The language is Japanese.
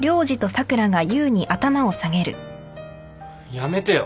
やめてよ。